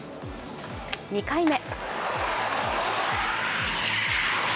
２回目。